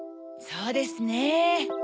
そうですね。